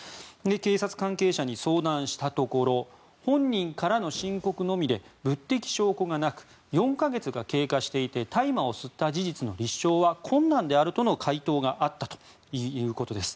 警察関係者に相談したところ本人からの申告のみで物的証拠がなく４か月が経過していて大麻を吸った事実の立証は困難であるとの回答があったということです。